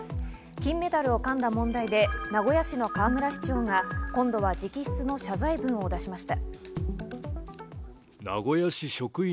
金メダルを噛んだ問題で、名古屋市の河村市長が今度は直筆の謝罪文を出しました。